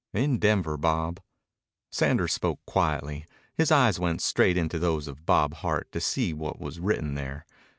"In Denver, Bob." Sanders spoke quietly. His eyes went straight into those of Bob Hart to see what was written there.